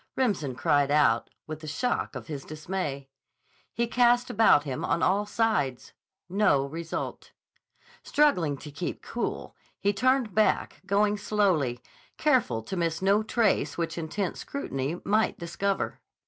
Remsen cried out, with the shock of his dismay. He cast about him on all sides. No result. Struggling to keep cool, he turned back, going slowly, careful to miss no trace which intent scrutiny might discover.